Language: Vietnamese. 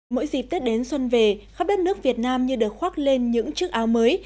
mỗi dịp tết đến xuân về khắp đất nước việt nam như được khoác lên những chiếc áo mới